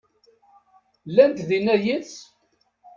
Llant dinna yid-s?